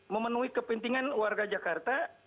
memenuhi kepentingan warga jakarta